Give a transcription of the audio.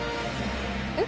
えっ？